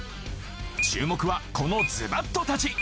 注目はこのズバットたち。